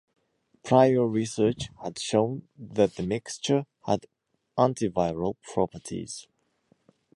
Prior research had shown that the mixture had antiviral properties.